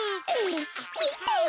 みてよ